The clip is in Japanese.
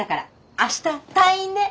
明日退院ね！